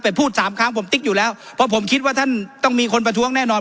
พูดสามครั้งผมติ๊กอยู่แล้วเพราะผมคิดว่าท่านต้องมีคนประท้วงแน่นอน